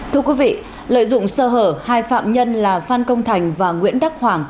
thưa quý vị lợi dụng sơ hở hai phạm nhân là phan công thành và nguyễn đắc hoàng